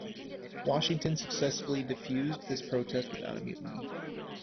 Washington successfully defused this protest without a mutiny.